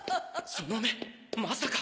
その目まさか。